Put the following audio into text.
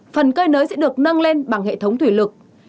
phần cơi nới sẽ được nâng lên bằng hệ thống thủy lực